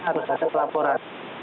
harus ada pelaporan